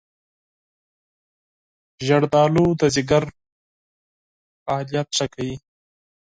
زردآلو د ځيګر فعالیت ښه کوي.